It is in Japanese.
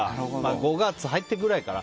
５月入ったくらいから。